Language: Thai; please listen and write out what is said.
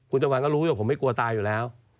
คุณจำวันก็รู้อยู่ผมไม่กลัวตายอยู่แล้ว